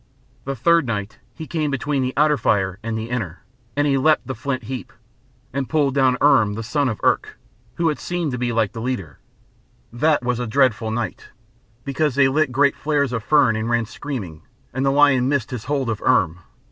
The third night he came between the outer fire and the inner, and he leapt the flint heap, and pulled down Irm the son of Irk, who had seemed like to be the leader. That was a dreadful night, because they lit great flares of fern and ran screaming, and the lion missed his hold of Irm.